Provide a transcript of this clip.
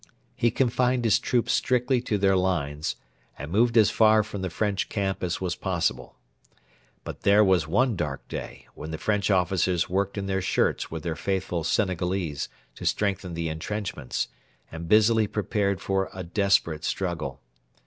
He confined his troops strictly to their lines, and moved as far from the French camp as was possible. But there was one dark day when the French officers worked in their shirts with their faithful Senegalese to strengthen the entrenchments, and busily prepared for a desperate struggle.